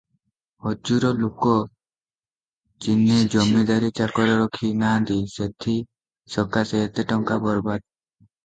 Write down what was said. ହଜୁର ଲୋକ ଚିହ୍ନି ଜମିଦାରୀ ଚାକର ରଖି ନାହାନ୍ତି ସେଥି ସକାଶେ ଏତେ ଟଙ୍କା ବରବାଦ ।